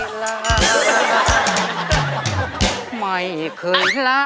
เพลงนี้อยู่ในอาราบัมชุดแจ็คเลยนะครับ